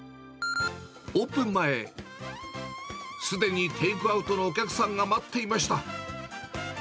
オープン前、すでにテイクアウトのお客さんが待っていました。